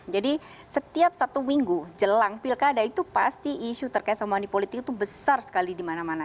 jadi setiap satu minggu jelang pilkada itu pasti isu terkait sama manipolitik itu besar sekali di mana mana